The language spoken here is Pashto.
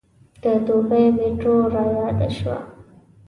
د دوبۍ میټرو رایاده شوه.